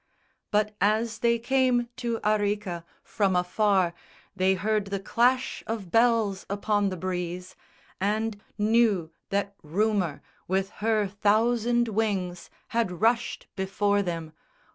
But as they came to Arica, from afar They heard the clash of bells upon the breeze, And knew that Rumour with her thousand wings Had rushed before them.